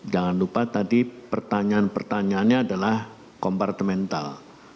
jangan lupa tadi pertanyaan pertanyaannya adalah kompartemental